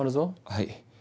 はい。